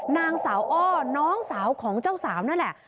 นางสาวอ้อน้องสาวของเจ้าสาวนั่นแหละ